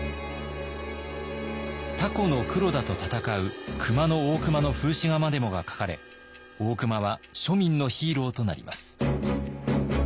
タコの黒田と戦う熊の大隈の風刺画までもが描かれ大隈は庶民のヒーローとなります。